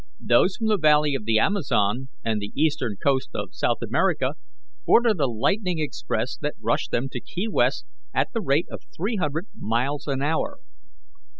Those from the valley of the Amazon and the eastern coast of South America boarded a lightning express that rushed them to Key West at the rate of three hundred miles an hour.